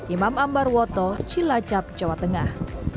imam ambar woto jelacap jawa tengah